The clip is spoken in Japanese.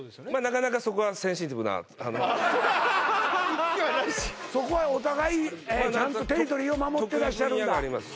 なかなかそこはセンシティブなあのそこはお互いちゃんとテリトリーを守ってらっしゃるんだ得意分野があります